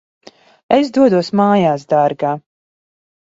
Es dodos mājās, dārgā.